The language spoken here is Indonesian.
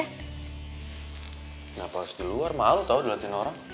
kenapa harus di luar malu tau udah latihan orang